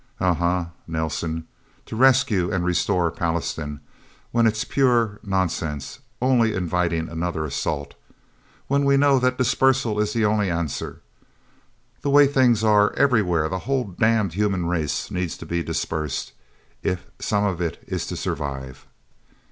"Um hmm Nelsen. To rescue and restore Pallastown when it's pure nonsense, only inviting another assault! When we know that dispersal is the only answer. The way things are, everywhere, the whole damned human race needs to be dispersed if some of it is to survive!"